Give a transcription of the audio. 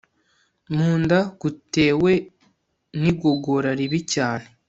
mu nda gutewe nigogora ribi cyane